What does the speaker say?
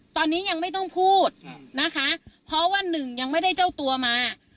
ตอนนี้ยังไม่ต้องพูดนะคะเพราะว่าหนึ่งยังไม่ได้เจ้าตัวมา